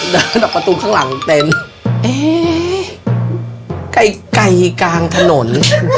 เดินออกประตูข้างหลังเต็มไอ้ไก่ไก่กลางถนน